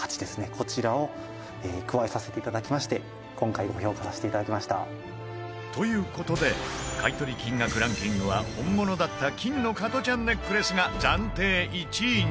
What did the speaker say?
こちらを加えさせていただきまして今回ご評価させていただきました」という事で買取金額ランキングは本物だった金の加トちゃんネックレスが暫定１位に